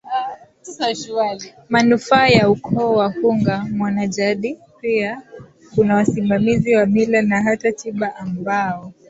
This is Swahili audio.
manufaa ya ukooWahunga mwanajadiPia kuna wasimamizi wa Mila na hata tiba ambao